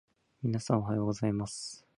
皆さん、おはようございます。